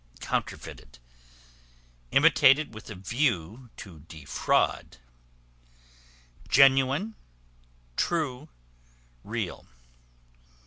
Counterfeited, imitated with a view to defraud. Genuine, true, real.